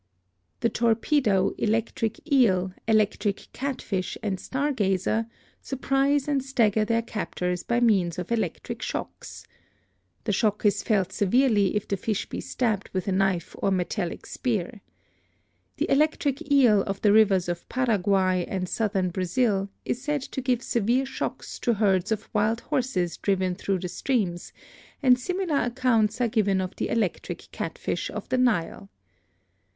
The torpedo, electric eel, electric catfish and star gazer surprise and stagger their captors by means of electric shocks. The shock is felt severely if the fish be stabbed with a knife or metallic spear. The electric eel of the rivers of Paraguay and southern Brazil is said to give severe shocks to herds of wild horses driven through the streams, and similar accounts are given of the electric cat fisk of the Nile.